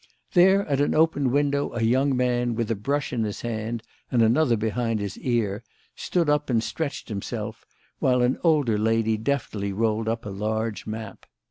There at an open window a young man, with a brush in his hand and another behind his ear, stood up and stretched himself while an older lady deftly rolled up a large map.